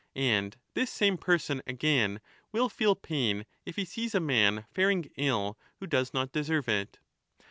And this same person again will feel pain, if he sees a man faring ill, who does not deserve it.